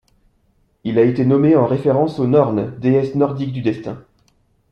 Il a été nommé en référence aux Nornes, déesses nordiques du destin.